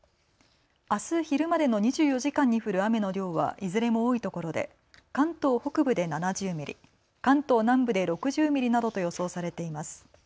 あす昼までの２４時間に降る雨の量はいずれも多いところで関東北部で７０ミリ、関東南部で６０ミリなどと予想されています。